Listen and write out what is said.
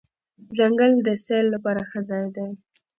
ځنګل د سیل لپاره ښه ځای دی.